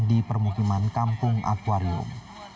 di permukiman kampung akwarium